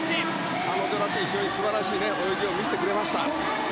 彼女らしい泳ぎを見せてくれました。